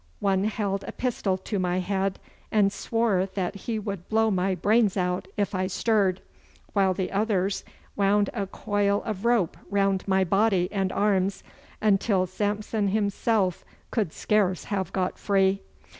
One held a pistol to my head, and swore that he would blow my brains out if I stirred, while the others wound a coil of rope round my body and arms, until Samson himself could scarce have got free.